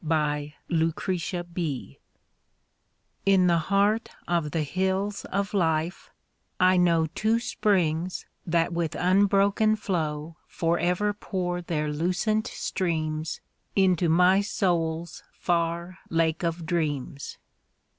My Springs In the heart of the Hills of Life, I know Two springs that with unbroken flow Forever pour their lucent streams Into my soul's far Lake of Dreams.